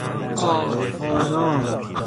آتاناز